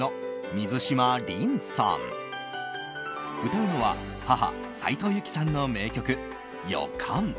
歌うのは母・斉藤由貴さんの名曲「予感」。